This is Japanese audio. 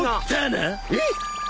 えっ！？